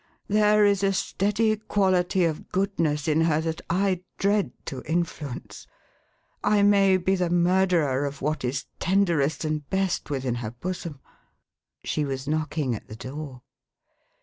There is a steady quality of goodness in her, that I dread to influence. I may be the murderer of what is tenderest and best within her bosom." She was knocking at the door.